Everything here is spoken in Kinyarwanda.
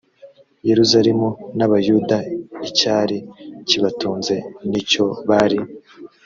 yerusalemu n abayuda icyari kibatunze n icyo bari